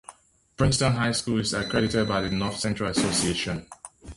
Princeton High School is accredited by the North Central Association.